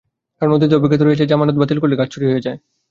কারণ অতীত অভিজ্ঞতা রয়েছে যে, জামানত বাতিল করলে গাছ চুরি হয়ে যায়।